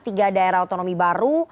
tiga daerah otonomi baru